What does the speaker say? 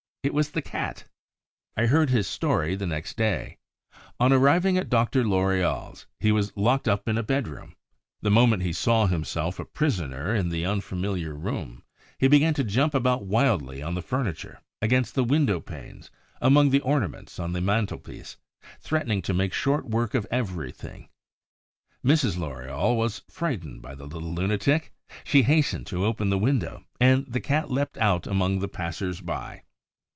It was the Cat. I heard his story next day. On arriving at Dr. Loriol's, he was locked up in a bedroom. The moment he saw himself a prisoner in the unfamiliar room, he began to jump about wildly on the furniture, against the window panes, among the ornaments on the mantelpiece, threatening to make short work of everything. Mrs. Loriol was frightened by the little lunatic; she hastened to open the window; and the Cat leapt out among the passers by.